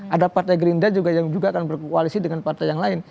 ada partai gerindra juga yang juga akan berkoalisi dengan partai yang lain